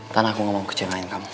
tanah aku ngomong kecil sama lain kamu